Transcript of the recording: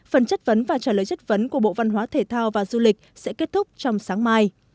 phần chất vấn và trả lời chất vấn của bộ văn hóa thể thao và du lịch sẽ kết thúc trong sáng mai